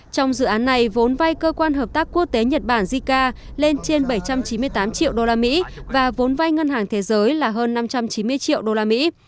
trong dự án này vốn vay cơ quan hợp tác quốc tế nhật bản zika lên trên bảy trăm chín mươi tám triệu usd và vốn vay ngân hàng thế giới là hơn năm trăm chín mươi triệu usd